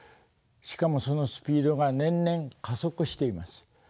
しかもそのスピードが年々加速しています。